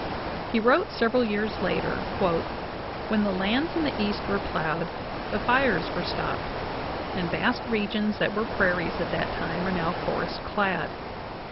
He wrote sev eral years later: "When the lands [in the East] were plowed the fires were stopped, and vast regions that were prairies at that time are now forest clad.